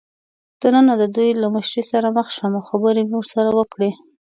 دننه د دوی له مشرې سره مخ شوم او خبرې مې ورسره وکړې.